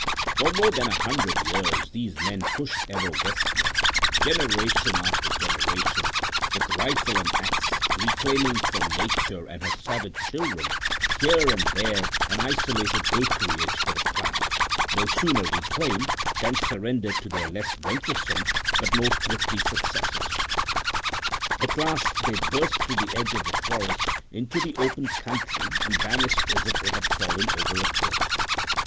For more than a hundred years these men pushed ever westward, generation after generation, with rifle and ax, reclaiming from Nature and her savage children here and there an isolated acreage for the plow, no sooner reclaimed than surrendered to their less venturesome but more thrifty successors. At last they burst through the edge of the forest into the open country and vanished as if they had fallen over a cliff.